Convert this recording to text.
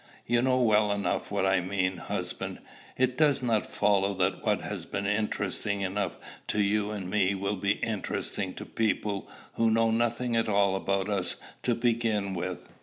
"You know well enough what I mean, husband. It does not follow that what has been interesting enough to you and me will be interesting to people who know nothing at all about us to begin with."